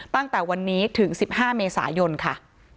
ตั้งแต่วันนี้ถึง๑๕เมษายนค่ะ